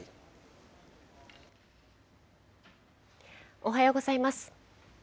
おはようございます。